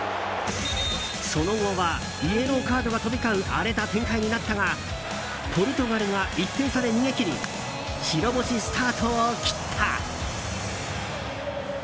その後はイエローカードが飛び交う荒れた展開になったがポルトガルが１点差で逃げ切り白星スタートを切った。